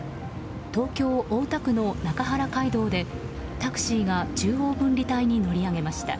東京・大田区の中原街道でタクシーが中央分離帯に乗り上げました。